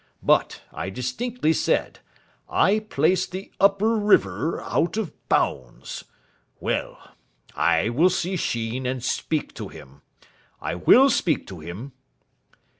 But I distinctly said I placed the upper river out of bounds.... Well, I will see Sheen, and speak to him. I will speak to him."